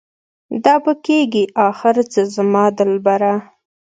دا به کيږي اخر څه زما دلبره؟